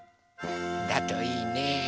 だといいね。